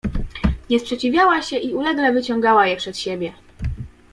"Nie sprzeciwiała się i ulegle wyciągała je przed siebie."